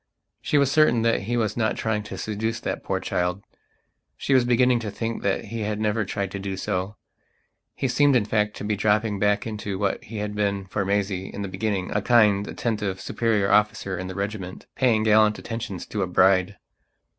She was certain that he was not trying to seduce that poor child; she was beginning to think that he had never tried to do so. He seemed in fact to be dropping back into what he had been for Maisie in the beginninga kind, attentive, superior officer in the regiment, paying gallant attentions to a bride.